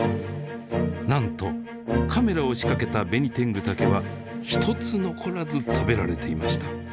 なんとカメラを仕掛けたベニテングタケは一つ残らず食べられていました。